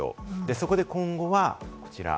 そこで今後はこちら。